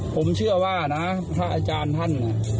ผมเชื่อว่านั้นนะพระอาจารย์ท่าน